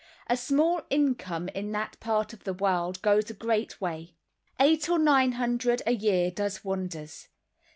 A small income, in that part of the world, goes a great way. Eight or nine hundred a year does wonders.